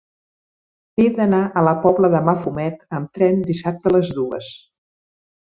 He d'anar a la Pobla de Mafumet amb tren dissabte a les dues.